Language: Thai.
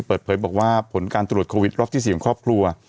เปิดเผยบอกว่าผลการตรวจโควิดรอบที่๔ของครอบครัว